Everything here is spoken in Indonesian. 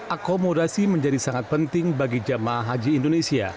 akomodasi menjadi sangat penting bagi jamaah haji indonesia